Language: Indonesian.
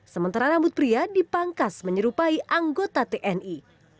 sementara rambut pria dipangkas menyerupai anggota tni